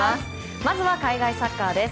まずは海外サッカーです。